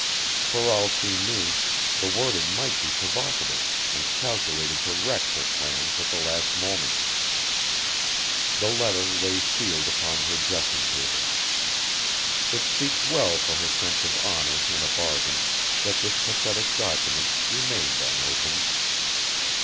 For all she knew the wording might be provocative and calculated to wreck her plans at the last moment. The letter lay sealed upon her dressing table. It speaks well for her sense of honour in a bargain that this pathetic document remained unopened.